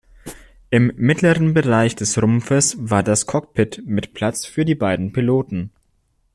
Im mittleren Bereich des Rumpfes war das Cockpit mit Platz für die beiden Piloten.